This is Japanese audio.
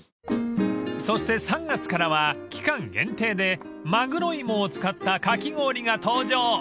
［そして３月からは期間限定でまぐろいもを使ったかき氷が登場］